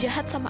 ini dari apa